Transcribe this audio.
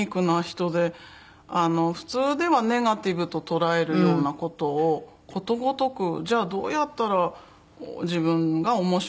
普通ではネガティブと捉えるような事をことごとくじゃあどうやったら自分が面白がれるか。